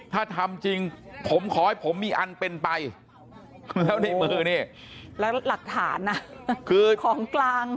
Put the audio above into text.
ถ้าทำจริงผมขอให้ผมมีอันเป็นไปแล้วในมือนี่แล้วหลักฐานนะคือของกลาง